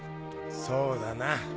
そうだな。